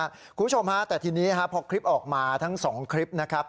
คุณผู้ชมฮะแต่ทีนี้พอคลิปออกมาทั้งสองคลิปนะครับ